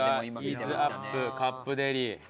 イーズアップカップデリ。